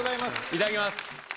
いただきます！